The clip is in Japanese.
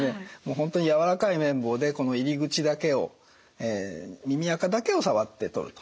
本当に柔らかい綿棒で入り口だけを耳あかだけ触って取ると。